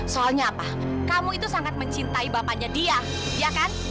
soalnya apa kamu itu sangat mencintai bapaknya dia ya kan